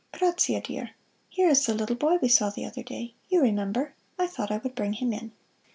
"Grazia, dear, here is the little boy we saw the other day you remember? I thought I would bring him in."